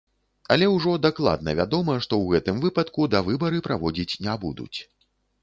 Але ўжо дакладна вядома, што ў гэтым выпадку давыбары праводзіць не будуць.